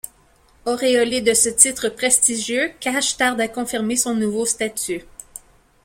Auréolé de ce titre prestigieux, Cash tarde à confirmer son nouveau statut.